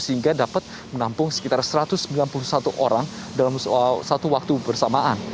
sehingga dapat menampung sekitar satu ratus sembilan puluh satu orang dalam satu waktu bersamaan